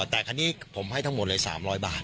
แต่คันนี้ผมให้ทั้งหมดเลย๓๐๐บาท